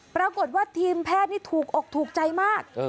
ปรากฏว่าทีมแพทย์นี่ถูกอกถูกใจมาก